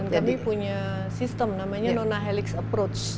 dan ini juga ada sistem namanya nonahelix approach